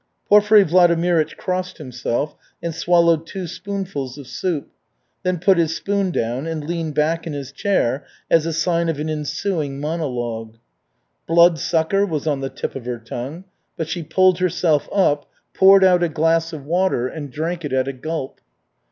'" Porfiry Vladimirych crossed himself and swallowed two spoonfuls of soup, then put his spoon down and leaned back in his chair as a sign of an ensuing monologue. "Bloodsucker!" was on the tip of her tongue, but she pulled herself up, poured out a glass of water, and drank it at a gulp.